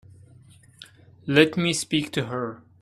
Let me speak to her.